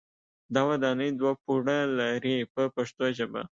دا ودانۍ دوه پوړه لري په پښتو ژبه.